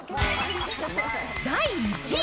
第１位。